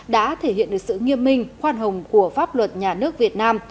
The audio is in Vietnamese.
đã thể hiện được sự nghiêm minh khoan hồng của pháp luật nhà nước việt nam